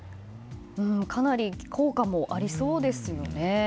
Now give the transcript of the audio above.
かなり効果もありそうですよね。